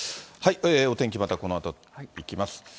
お天気またこのあといきます。